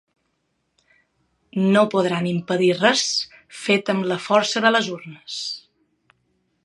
No podran impedir res fet amb la força de les urnes.